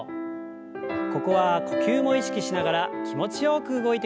ここは呼吸も意識しながら気持ちよく動いてください。